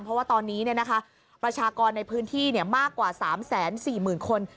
เพราะว่าตอนนี้ประชากรในพื้นที่มากกว่า๓๔๐๐๐คน